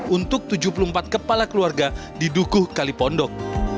untuk tujuh puluh empat kepala keluarga di dukuh kalipondok